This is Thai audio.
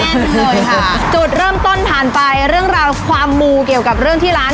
ขึ้นเลยค่ะจุดเริ่มต้นผ่านไปเรื่องราวความมูเกี่ยวกับเรื่องที่ร้าน